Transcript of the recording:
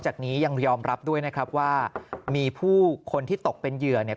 จากนี้ยังยอมรับด้วยนะครับว่ามีผู้คนที่ตกเป็นเหยื่อเนี่ย